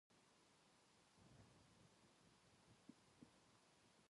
リライトして